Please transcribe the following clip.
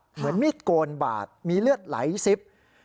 เหมือนมีดโกนบาดมีเลือดไหลซิบ